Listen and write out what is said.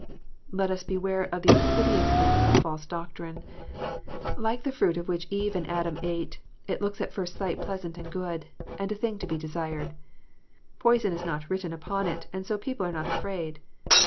Let us beware of the insidiousness of false doctrine. Like the fruit of which Eve and Adam ate, it looks at first sight pleasant and good, and a thing to be desired. Poison is not written upon it, and so people are not afraid.